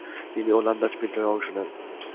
তিনি ওলন্দাজ বিদ্রোহে অংশ নেন।